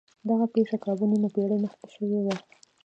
دغه پېښه کابو نيمه پېړۍ مخکې شوې وه.